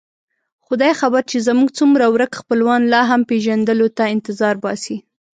خدای خبر چې زموږ څومره ورک خپلوان لا هم پېژندلو ته انتظار باسي.